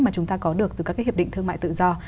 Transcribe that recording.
mà chúng ta có được từ các cái hiệp định thương mại tự do